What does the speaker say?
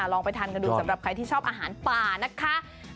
ลองไปทานกันดูสำหรับใครที่ชอบอาหารป่านะคะ